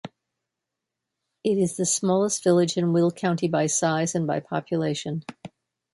It is the smallest village in Will County by size and by population.